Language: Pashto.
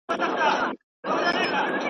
نه به شور د توتکیو نه به رنګ د انارګل وي.